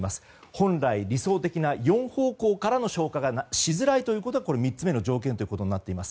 本来、理想的な４方向からの消火がしづらいということが３つ目の条件となっています。